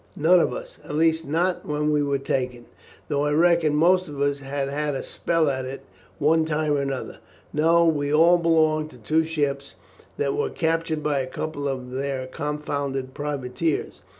"None of us, at least not when we were taken, though I reckon most of us have had a spell at it one time or other. No; we all belong to two ships that were captured by a couple of their confounded privateers.